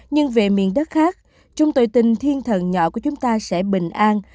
nhưng về miền đất khác chung tội tình thiên thần nhỏ của chúng ta sẽ bình an